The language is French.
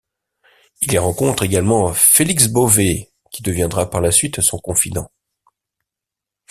Il y rencontre également Félix Bovet, qui deviendra par la suite son confident.